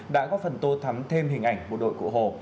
đã góp phần tô thắm thêm hình ảnh bộ đội cụ hồ